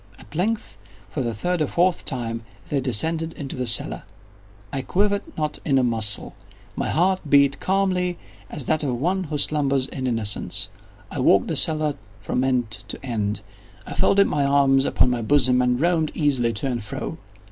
At length, for the third or fourth time, they descended into the cellar. I quivered not in a muscle. My heart beat calmly as that of one who slumbers in innocence. I walked the cellar from end to end. I folded my arms upon my bosom, and roamed easily to and fro.